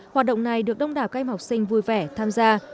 hoạt động này được đông đảo các em học sinh vui vẻ tham gia